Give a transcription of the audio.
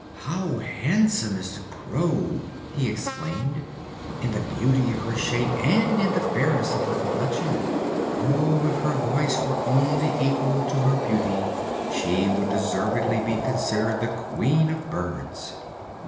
"How handsome is the Crow," he exclaimed, "in the beauty of her shape and in the fairness of her complexion! Oh, if her voice were only equal to her beauty, she would deservedly be considered the Queen of Birds!"